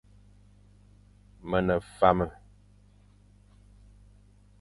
Me ne fame.